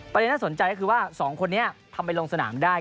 ประเด็นหน้าสนใจก็คือว่า๒คนนี้ทำไปลงสนามได้